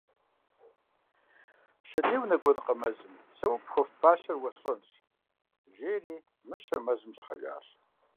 Пщэдей унэкӏуэнкъэ мэзым - сэ уэ пхуэфащэр уэсщӏэнщ, - жери мыщэр мэзым щӏыхьэжащ.